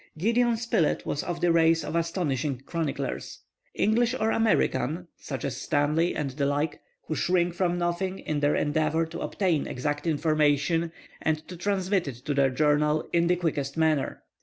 Gideon Spilett was of the race of astonishing chroniclers, English or American, such as Stanley and the like, who shrink from nothing in their endeavor to obtain exact information and to transmit it to their journal in the quickest manner.